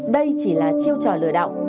đây chỉ là chiêu trả lời